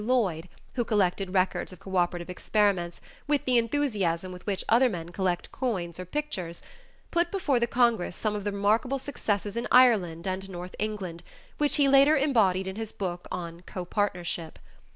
Lloyd, who collected records of cooperative experiments with the enthusiasm with which other men collect coins or pictures, put before the congress some of the remarkable successes in Ireland and North England, which he later embodied in his book on "Copartnership."